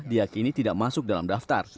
diakini tidak masuk dalam daftar